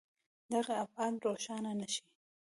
دغه ابعاد روښانه نه شي.